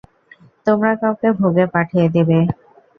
তোমরা কাউকে ভোগে পাঠিয়ে দেবে।